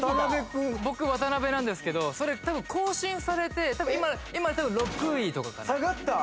僕渡辺なんですけどそれたぶん更新されてたぶん今６位とかかな下がった！？